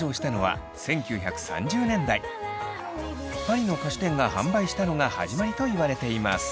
パリの菓子店が販売したのが始まりといわれています。